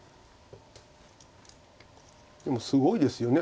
でもすごいですよね。